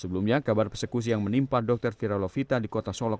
sebelumnya kabar persekusi yang menimpa dr fira lovita di kota solok